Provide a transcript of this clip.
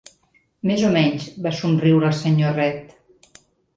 Més o menys —va somriure el senyor Read—.